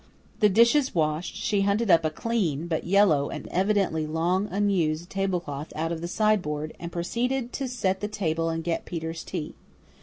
The dishes washed, she hunted up a clean, but yellow and evidently long unused tablecloth out of the sideboard, and proceeded to set the table and get Peter's tea.